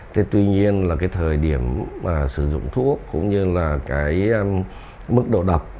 thế tuy nhiên là cái thời điểm sử dụng thuốc cũng như là cái mức độc tố bat